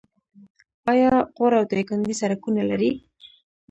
آیا غور او دایکنډي سړکونه لري؟